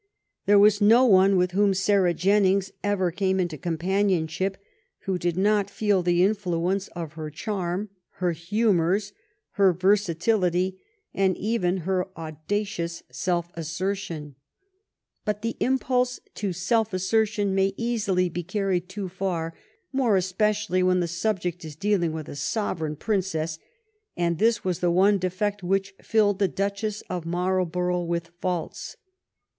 There was no one with whom Sarah Jennings ever came into companionship who did not feel the influence of her charm, her hu mors, her versatility, and even her audacious self assertion. But the impulse to self assertion may easily be carried too far, more especially when the subject is dealing with a sovereign princess, and this was the one defect which filled the Duchess of Marlborough 318 l€ HARLEY, THE NATIOITS GREAT SUPPORT with faults.